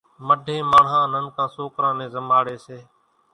مڍين ماڻۿان ننڪان سوڪران نين زماڙي سي